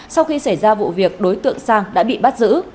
sau khi xảy ra vụ việc đối tượng sang đã bị bắt giữ